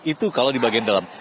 itu kalau di bagian dalam